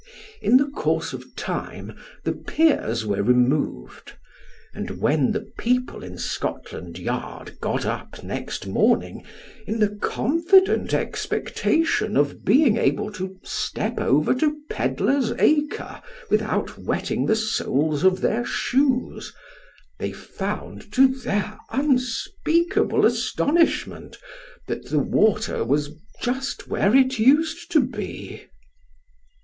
In course of time, the piers were removed ; and when the people in Scotland Yard got up next morning in tho confident expectation of being able to step over to Pedlar's Acre without wetting the soles of their shoes, they found to their unspeakable astonishment that tho water was just where it used to be.